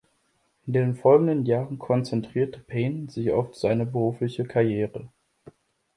In den folgenden Jahren konzentrierte Payne sich auf seine berufliche Karriere.